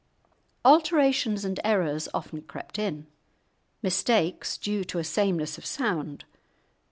Alterations and errors often crept in; mistakes due to a sameness of sound.